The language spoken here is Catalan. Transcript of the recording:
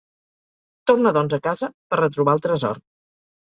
Torna doncs a casa per retrobar el tresor.